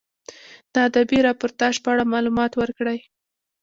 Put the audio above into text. د ادبي راپورتاژ په اړه معلومات ورکړئ.